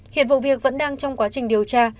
hiện vụ việc vẫn đang trong quá trình điều tra